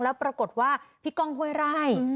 แล้วปรากฏว่าพี่ก้องห้วยไร่